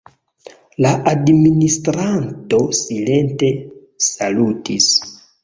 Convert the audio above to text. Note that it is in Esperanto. La administranto silente salutis.